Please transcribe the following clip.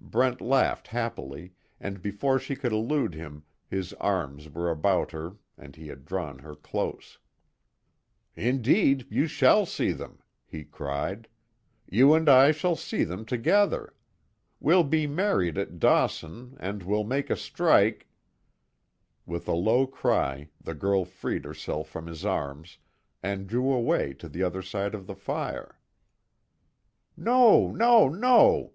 Brent laughed, happily, and before she could elude him his arms were about her and he had drawn her close. "Indeed you shall see them!" he cried. "You and I shall see them together. We'll be married at Dawson, and we'll make a strike " With a low cry the girl freed herself from his arms, and drew away to the other side of the fire: "No, no, no!"